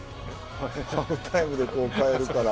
ハーフタイムで代えるから。